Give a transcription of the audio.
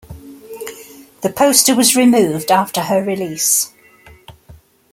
The poster was removed after her release.